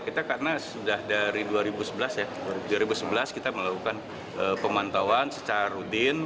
kita karena sudah dari dua ribu sebelas ya dua ribu sebelas kita melakukan pemantauan secara rutin